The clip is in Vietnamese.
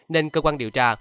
nên cơ quan điều tra